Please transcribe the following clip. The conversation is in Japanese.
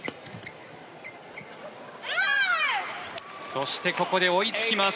そして、ここで追いつきます。